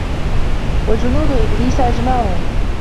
وَجُنودُ إِبليسَ أَجمَعونَ